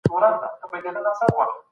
هغوی په خپلو کارونو کې بې مطالعې وو.